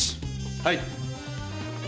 はい。